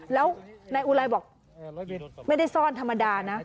แล้วนายอุไลบอกไม่ได้ซ่อนธรรมดานะ